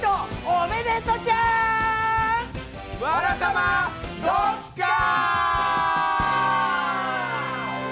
「わらたまドッカン」！